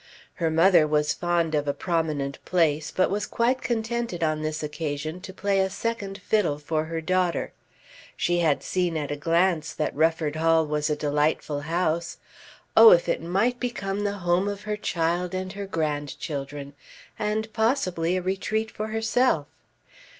Her mother was fond of a prominent place but was quite contented on this occasion to play a second fiddle for her daughter. She had seen at a glance that Rufford Hall was a delightful house. Oh, if it might become the home of her child and her grandchildren, and possibly a retreat for herself!